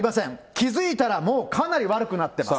気付いたらもうかなり悪くなっています。